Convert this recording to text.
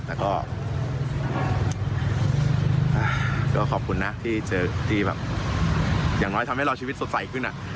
แต่ก็ขอบคุณนะที่เจอที่แบบอย่างน้อยทำให้เราชีวิตสดใสขึ้น